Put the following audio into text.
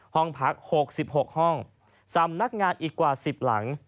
ห้องพัก๖๖ห้องสำนักงานอีกกว่า๑๐หลัง